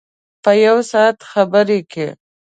په یو ساعت خبر کې.